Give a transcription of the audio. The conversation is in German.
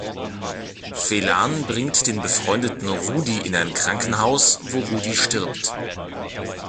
Phelan bringt den befreundeten Rudy in ein Krankenhaus, wo Rudy stirbt.